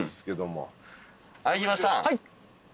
はい。